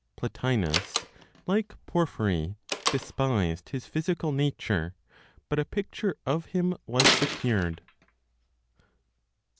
PLOTINOS, LIKE PORPHYRY, DESPISED HIS PHYSICAL NATURE, BUT A PICTURE OF HIM WAS SECURED.